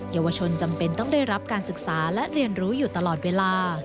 เยาวชนจำเป็นต้องได้รับการศึกษาและเรียนรู้อยู่ตลอดเวลา